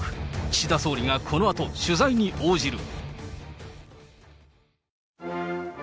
岸田総理がこのあと取材に応じる。